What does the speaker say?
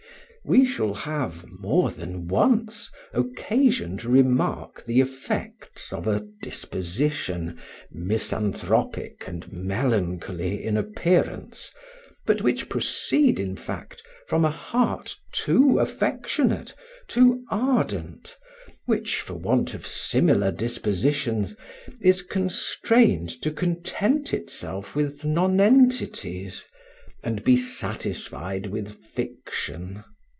We shall have more than once occasion to remark the effects of a disposition, misanthropic and melancholy in appearance, but which proceed, in fact, from a heart too affectionate, too ardent, which, for want of similar dispositions, is constrained to content itself with nonentities, and be satisfied with fiction.